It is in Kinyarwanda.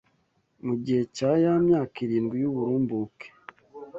mu gihe cya ya myaka irindwi y’uburumbuke